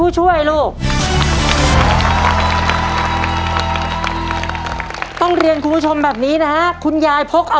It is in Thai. ใช่มั้ยยาย